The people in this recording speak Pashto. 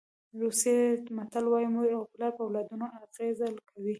روسي متل وایي مور او پلار په اولادونو اغېزه کوي.